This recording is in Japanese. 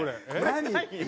何？